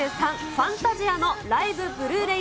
ファンタジアのライブブルーレイ